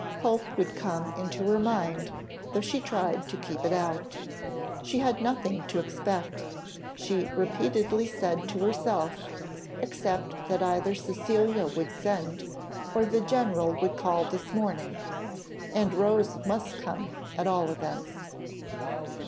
Hope would come into her mind, though she tried to keep it out; she had nothing to expect, she repeatedly said to herself, except that either Cecilia would send, or the general would call this morning, and Rose must come at all events.